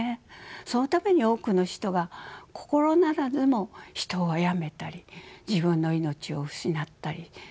そのために多くの人が心ならずも人をあやめたり自分の命を失ったりするんです。